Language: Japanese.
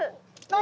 何？